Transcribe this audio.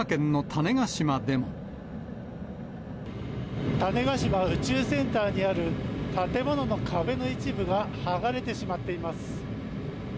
種子島宇宙センターにある建物の壁の一部が剥がれてしまっています。